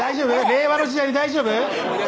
令和の時代に大丈夫？